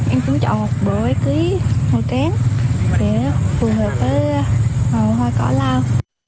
em cũng chọn một bộ ánh cưới màu trắng để phù hợp với màu hoa cỏ lâu